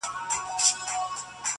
خبره چرته کښى پټيږى چى ځان غل غل کوى